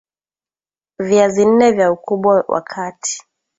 Viazi nne vya ukubwa wa kati